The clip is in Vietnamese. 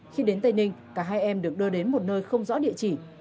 khi đến tây ninh cả hai em được đưa đến một nơi không rõ địa chỉ